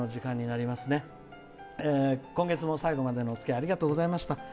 今月も最後までおつきあいありがとうございました。